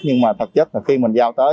nhưng mà thật chất là khi mình giao tới